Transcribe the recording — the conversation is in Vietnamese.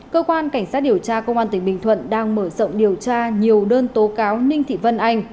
cơ quan cảnh sát điều tra công an tỉnh bình thuận đang mở rộng điều tra nhiều đơn tố cáo ninh thị vân anh